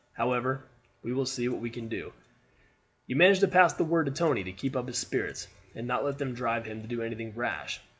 "However, we will see what we can do. You manage to pass the word to Tony to keep up his spirits, and not let them drive him to do anything rash.